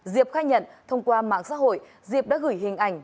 diệp khai nhận thông qua mạng xã hội diệp đã gửi hình ảnh